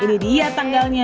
ini dia tanggalnya